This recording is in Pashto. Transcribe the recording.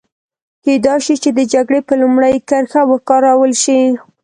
کېدای شي چې د جګړې په لومړۍ کرښه وکارول شي.